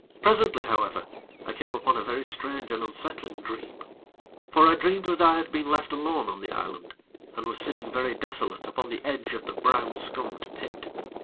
Presently, however, I came upon a very strange and unsettling dream; for I dreamed that I had been left alone on the island, and was sitting very desolate upon the edge of the brown scummed pit.